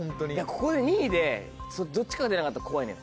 ここで２位でどっちかが出なかったら怖いね。